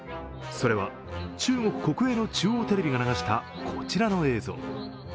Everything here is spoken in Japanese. それは、中国国営の中央テレビが流したこちらの映像。